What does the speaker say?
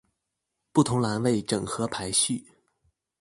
不同欄位整合排序